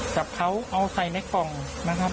จับเขาเอาใส่ในกล่องนะครับ